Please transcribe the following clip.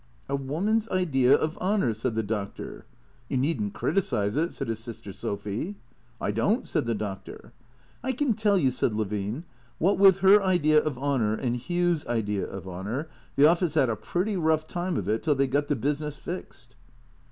" A woman's idea of honour," said the Doctor. " You need n't criticize it," said his sister Sophy. " I don't," said the Doctor. " I can tell you," said Levine, " what with her idea of honour and Hugh's idea of honour, the office had a pretty rough time of it till they got the business fixed."